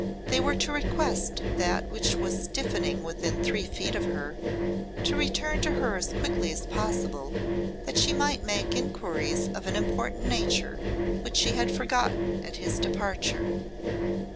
They were to request that which was stiffening within three feet of her to return to her as quickly as possible that she might make inquiries of an important nature which she had forgotten at his departure.